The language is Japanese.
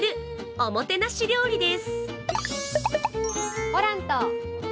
おもてなし料理です。